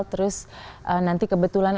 terus nanti kebetulan